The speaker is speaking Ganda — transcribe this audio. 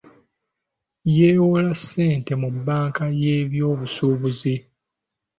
Yeewola ssente mu bbanka y'ebyobusubuzi.